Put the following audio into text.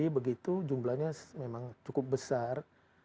nah setelah itu jumlahnya memang cukup besar